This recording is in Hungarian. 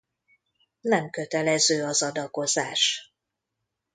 Nem kötelező az adakozás.